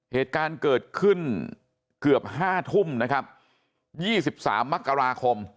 เหตุการณ์เกิดขึ้นเกือบ๕ทุ่มนะครับ๒๓มกราคม